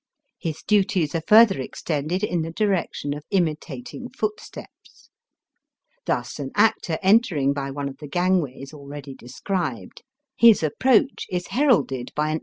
His duties are further extended in the direction of imitating footsteps. Thus an actor entering by one of the gangways already described, his approach is heralded by an Digitized by VjOOQIC 294 EAST BY WEST.